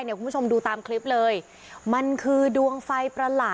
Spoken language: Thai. คุณผู้ชมดูตามคลิปเลยมันคือดวงไฟประหลาด